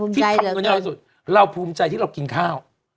ที่ทำเงินเยอะที่สุดเราภูมิใจที่เรากินข้าว